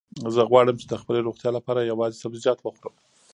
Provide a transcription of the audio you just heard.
زه غواړم چې د خپلې روغتیا لپاره یوازې سبزیجات وخورم.